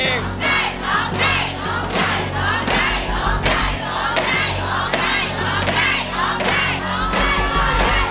เป็นเพลงเก่ง